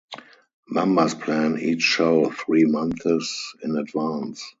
Members plan each show three months in advance.